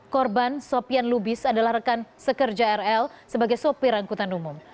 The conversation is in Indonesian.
korban sopian lubis adalah rekan sekerja rl sebagai sopir angkutan umum